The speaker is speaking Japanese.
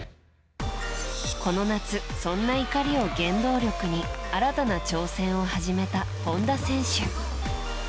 この夏、そんな怒りを原動力に新たな挑戦を始めた本田選手。